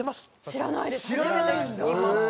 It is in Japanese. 知らないです。